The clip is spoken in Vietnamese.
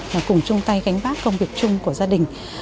và cùng chung tay gánh vác công việc chung của gia đình